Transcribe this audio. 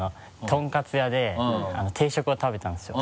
とんかつ屋で定食を食べたんですよ。